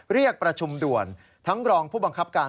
เรียกประชุมด่วนทั้งรองผู้บังคับการ